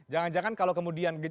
jangan jangan kalau kemudian